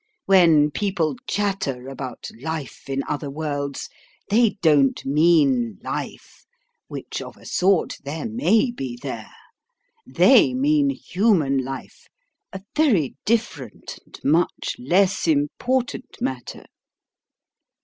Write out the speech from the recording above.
When people chatter about life in other worlds, they don't mean life which, of a sort, there may be there: they mean human life a very different and much less important matter.